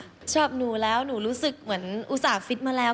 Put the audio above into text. ชอบหนูแล้วหนูรู้สึกเหมือนอุตส่าห์ฟมาแล้ว